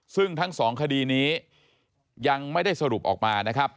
ซึ่งทั้งสองคดีนี้ยังไม่ได้สรุปออกมานะครับ